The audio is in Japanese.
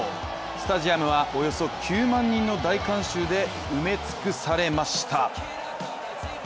スタジアムはおよそ９万人の大観衆で埋め尽くされました。